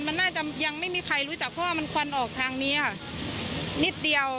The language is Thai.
มันน่าจะยังไม่มีใครรู้จักเพราะว่ามันควันออกทางนี้ค่ะนิดเดียว